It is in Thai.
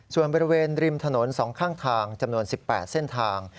ส่วนบริเวณริมถนน๒ข้างทางจำนวน๑๘เส้นทาง